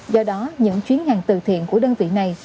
do đó những chuyến hàng từ thiện của đơn vị này